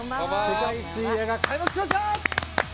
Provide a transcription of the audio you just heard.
世界水泳が開幕しました！